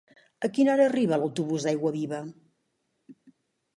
A quina hora arriba l'autobús d'Aiguaviva?